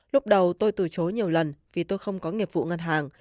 lúc đầu tôi từ chối nhiều lần vì tôi không có nghiệp vụ ngân hàng